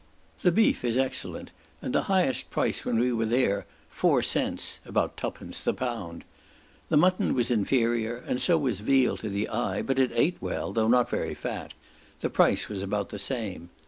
The beef is excellent, and the highest price when we were there, four cents (about two pence) the pound. The mutton was inferior, and so was veal to the eye, but it ate well, though not very fat; the price was about the same.